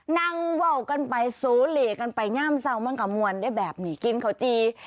นั่งเว่ากันไปโสเลกันไปง่ามเศร้ามั่งกะมวลได้แบบหนีกินเขาจี่